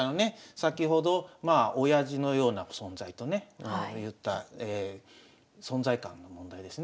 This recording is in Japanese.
先ほどおやじのような存在とね言った存在感の問題ですね。